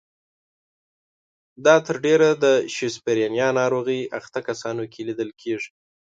دا تر ډېره د شیزوفرنیا ناروغۍ اخته کسانو کې لیدل کیږي.